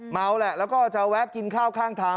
เมาแหละแล้วก็จะแวะกินข้าวข้างทาง